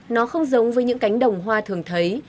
nó không giống với những cánh đồng hoa thường thấy